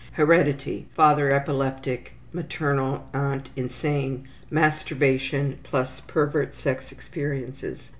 Heredity: Father epileptic. Maternal aunt insane. Masturbation plus. Pervert sex experiences.